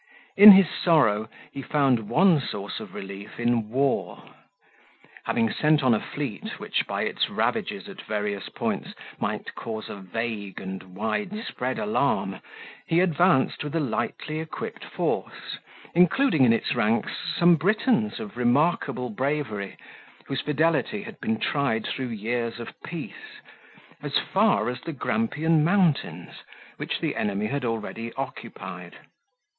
In his sorrow he found one source of relief in war. Having sent on a fleet, which by its ravages at various points might cause a vague and wide spread alarm, he advanced with a lightly equipped force, including in its ranks some Britons of remarkable bravery, whose fidelity had been tried through years of peace, as far as the Grampian mountains, which the enemy had already occupied.